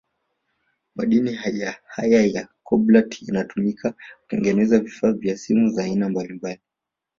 Madini haya ya Kobalt yanatuimika kutengeneza vifaa vya simu za aina mbalimbali